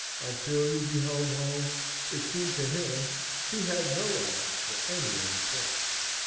Until he beheld Home it seemed to him he had no eyes for any other place.